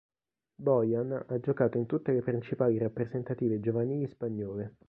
Bojan ha giocato in tutte le principali rappresentative giovanili spagnole.